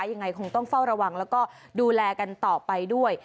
ยังคงต้องเฝ้าระวังแล้วก็ดูแลกันต่อไปด้วย